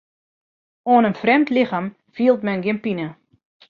Oan in frjemd lichem fielt men gjin pine.